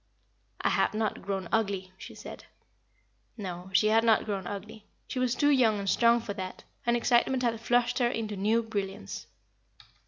"I have not grown ugly," she said. No, she had not grown ugly. She was too young and strong for that, and excitement had flushed her into new brilliance.